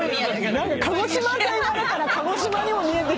鹿児島って言われたら鹿児島にも見えてきた。